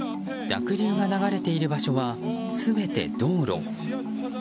濁流が流れている場所は全て道路。